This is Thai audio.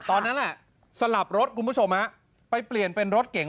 ตอนนั้นสลับรถคุณผู้ชมฮะไปเปลี่ยนเป็นรถเก่ง